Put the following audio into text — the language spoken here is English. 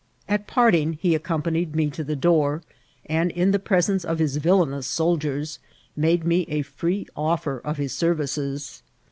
At parting he ac companied me to the door, and in the presence of his villanous soldiers made me a firee offer of his services.